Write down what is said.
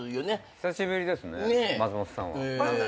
久しぶりですね松本さんは。同い年？